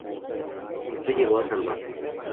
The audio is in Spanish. No llegó a salvarlo.